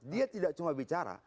dia tidak cuma bicara